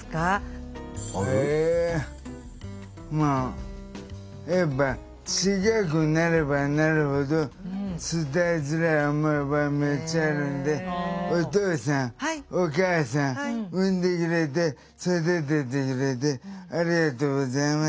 まあやっぱ近くなればなるほど伝えづらい思いはめっちゃあるんでお父さんお母さん産んでくれて育ててくれてありがとうございます。